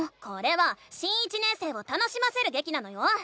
これは新１年生を楽しませるげきなのよ！